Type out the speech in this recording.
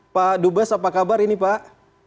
pak dubes apa kabar ini pak